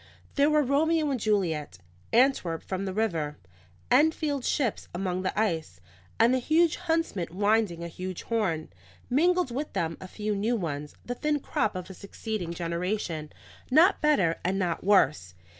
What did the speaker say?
There were Romeo and Juliet, Antwerp from the river, Enfield's ships among the ice, and the huge huntsman winding a huge horn; mingled with them a few new ones, the thin crop of a succeeding generation, not better and not worse.